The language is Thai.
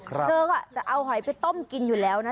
เธอก็จะเอาหอยไปต้มกินอยู่แล้วนะ